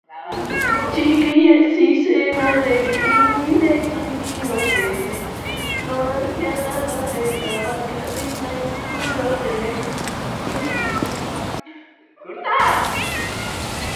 Txiki ezizenarekin deitzen diote, donostiarra da eta bakarrizketak egiten ditu.